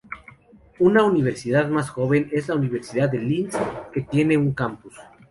Una universidad más joven es la Universidad de Linz, que tiene un campus.